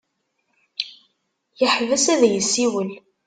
Yeḥbes ad yessiwel.